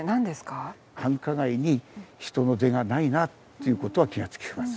繁華街に人の出がないなっていう事は気がつきます。